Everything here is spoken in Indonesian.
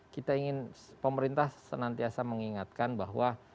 kita ingin pemerintah senantiasa mengingatkan bahwa